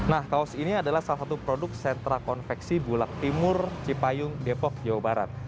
nah kaos ini adalah salah satu produk sentra konveksi bulak timur cipayung depok jawa barat